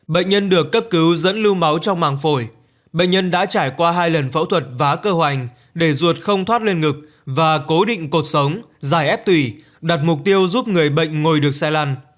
bệnh nhân được cấp cứu dẫn lưu máu trong màng phổi bệnh nhân đã trải qua hai lần phẫu thuật vá cơ hoành để ruột không thoát lên ngực và cố định cột sống dài ép tùy đặt mục tiêu giúp người bệnh ngồi được xe lăn